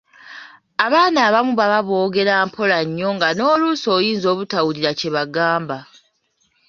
Abaana abamu baba boogera mpola nnyo nga n’oluusi oyinza obutawulira kye bagamba.